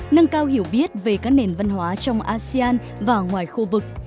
nâng cao hiểu biết về các nền văn hóa trong asean và ngoài khu vực